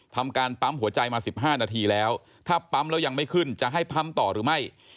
ทำการปั๊มหัวใจมา๑๕นาทีแล้วถ้าปั๊มแล้วยังไม่ขึ้นจะให้ปั๊มต่อหรือไม่